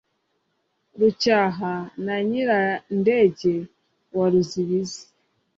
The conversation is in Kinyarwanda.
rucyaha na nyirandege wa ruzibizi